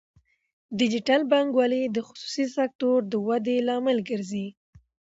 ډیجیټل بانکوالي د خصوصي سکتور د ودې لامل ګرځي.